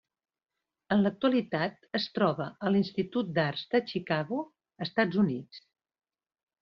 En l'actualitat es troba a l'Institut d'Art de Chicago, Estats Units.